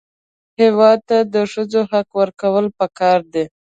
هېواد ته د ښځو حق ورکول پکار دي